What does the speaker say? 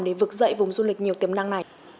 để vực dậy vùng du lịch nhiều tiềm năng này